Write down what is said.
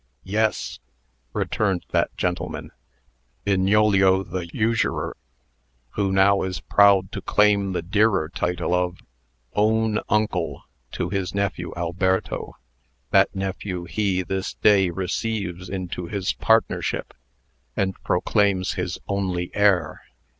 "Yes," returned that gentleman; "Bignolio the usurer, who now is proud to claim the dearer title of 'own uncle' to his nephew Alberto. That nephew he this day receives into his partnership, and proclaims his only heir.